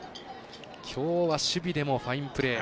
きょうは守備でもファインプレー。